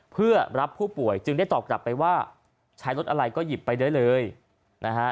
เพื่อรับผู้ป่วยจึงได้ตอบกลับไปว่าใช้รถอะไรก็หยิบไปได้เลยนะฮะ